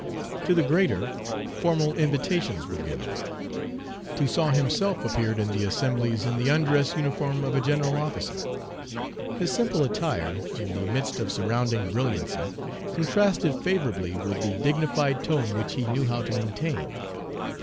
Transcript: To the greater, formal invitations were given. Toussaint himself appeared in the assemblies in the undress uniform of a general officer. His simple attire, in the midst of surrounding brilliancy, contrasted favorably with the dignified tone which he knew how to maintain.